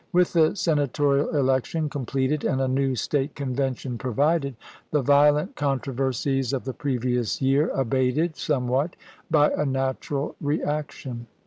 With the senatorial election completed and a new State Convention provided, the \iolent controversies of the previous year abated somewhat by a natural reaction.